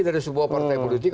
dari sebuah partai politik